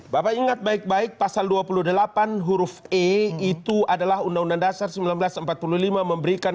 bapak ingat baik baik pasal dua puluh delapan huruf e itu adalah undang undang dasar seribu sembilan ratus empat puluh lima memberikan